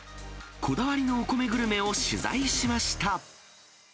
こだわりのお米グルメを取材しました。